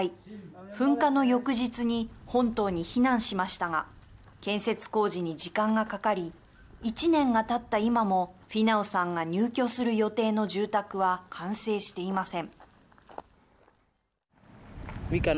噴火の翌日に本島に避難しましたが建設工事に時間がかかり１年がたった今もフィナウさんが入居する予定の住宅は完成していません。